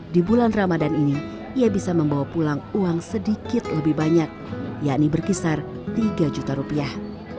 di bulan ramadan ini ia bisa membawa pulang uang sedikit lebih banyak yakni berkisar tiga juta rupiah